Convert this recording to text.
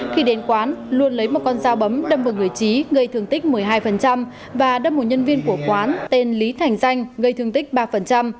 khi đến quán luân lấy một con dao bấm đâm vào người trí gây thương tích một mươi hai và đâm một nhân viên của quán tên lý thành danh gây thương tích ba